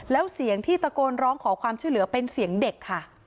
แล้วเสียงที่ตะโกนร้องขอความช่วยเหลือเป็นเสียงเด็กค่ะ